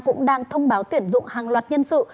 cũng đang thông báo tuyển dụng hàng loạt nhân sự